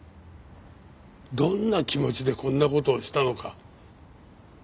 どんな気持ちでこんな事をしたのか。